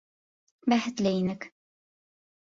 Бәхетле инек.